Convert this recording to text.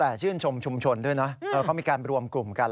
แต่ชื่นชมชุมชนด้วยนะเขามีการรวมกลุ่มกัน